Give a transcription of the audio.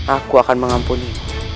aku akan mengampuni